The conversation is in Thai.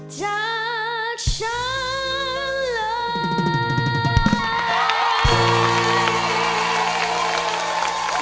จากฉันเลย